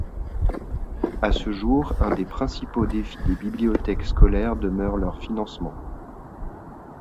À ce jour, un des principaux défis des bibliothèques scolaires demeure leur financement.